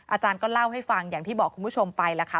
อาจารย์ก็เล่าให้ฟังอย่างที่บอกคุณผู้ชมไปแล้วค่ะ